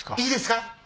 いいですか？